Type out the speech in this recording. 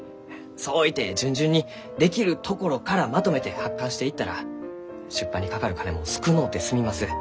そういて順々にできるところからまとめて発刊していったら出版にかかる金も少のうて済みます。